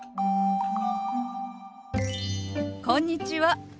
こんにちは。